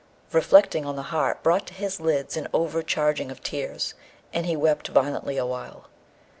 Reflecting on the heart brought to his lids an overcharging of tears, and he wept violently awhile.